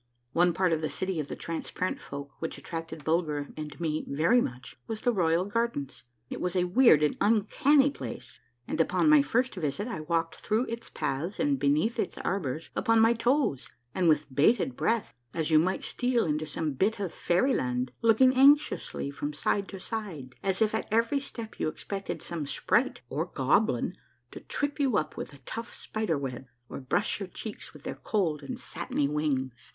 One part of the city of the Transparent Folk which attracted Bulger and me very much was the royal gardens. It was a weird and uncanny place, and upon my first visit I walked through its paths and beneath its arbors upon my toes and with bated breath, as you might steal into some bit of fairy land, look ing anxiously from side to side as if at every step you expected some sprite or goblin to trip you up with a tough spider web, or brush your cheeks with their cold and satiny wings.